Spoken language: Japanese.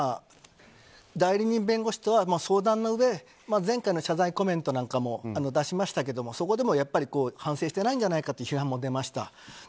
代理人弁護士とは相談のうえ前回の謝罪コメントなんかも出しましたけども、そこでも反省していないんじゃないかという批判も出ました。